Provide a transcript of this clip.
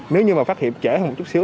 nếu như mà phát hiện trễ hơn một chút xíu